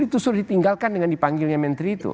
itu sudah ditinggalkan dengan dipanggilnya menteri itu